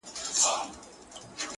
نوره به دي زه له ياده وباسم _